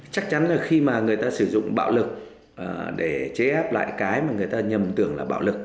chắc chắn là khi mà người ta sử dụng bạo lực để chế áp lại cái mà người ta nhầm tưởng là bạo lực